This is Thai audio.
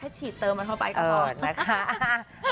แค่ฉีดเติมมันเข้าไปอีกคน